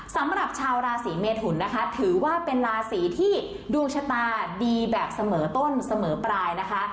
สำหรับชาวราศีเมทุนนะคะถือว่าเป็นราศีที่ดวงชะตาดีแบบเสมอต้นเสมอปลายนะคะ